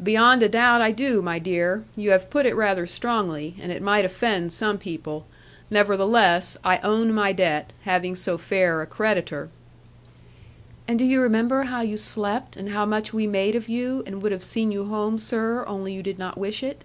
'Beyond a doubt I do, my dear. You have put it rather strongly; and it might offend some people. Nevertheless I own my debt, having so fair a creditor.' 'And do you remember how you slept, and how much we made of you, and would have seen you home, sir; only you did not wish it?'